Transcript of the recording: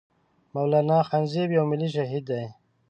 مولانا خانزيب يو ملي شهيد دی